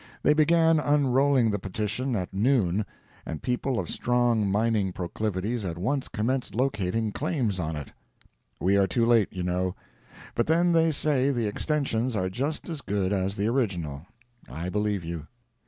They began unrolling the petition at noon, and people of strong mining proclivities at once commenced locating claims on it. We are too late, you know. But then they say the extensions are just as good as the original. I believe you.